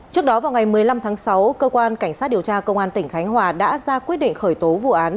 trước đó vào ngày một mươi năm tháng sáu cơ quan cảnh sát điều tra công an tỉnh khánh hòa đã ra quyết định khởi tố vụ án